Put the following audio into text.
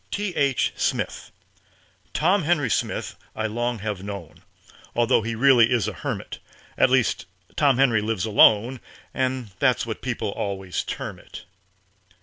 T.H. SMITH Tom Henry Smith I long have known Although he really is a hermit At least, Tom Henry lives alone, And that's what people always term it.